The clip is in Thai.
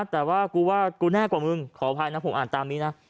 แต่ว่ากูว่ากูแน่กว่ามึงขออภัยนะผมอ่านตามนี้นะ